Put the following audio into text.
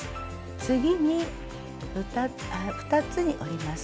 次に２つに折ります。